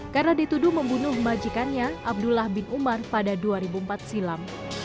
karena dituduh membunuh majikannya abdullah bin umar pada dua ribu empat silam